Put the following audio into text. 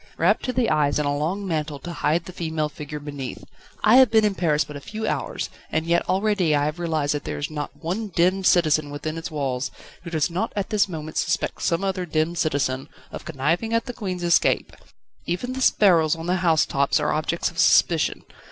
Wrapped to the eyes in a long mantle to hide the female figure beneath. I have been in Paris but a few hours, and yet already I have realised that there is not one demmed citizen within its walls, who does not at this moment suspect some other demmed citizen of conniving at the Queen's escape. Even the sparrows on the house tops are objects of suspicion.